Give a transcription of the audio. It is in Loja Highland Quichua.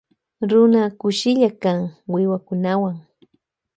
Runa kushilla kan wiwakunawan.